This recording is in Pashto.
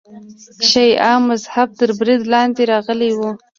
شیعه مذهب تر برید لاندې راغلی و.